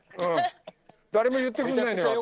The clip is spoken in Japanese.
誰も言ってくれないのよ、私に。